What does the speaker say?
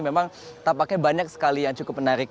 memang tampaknya banyak sekali yang cukup menarik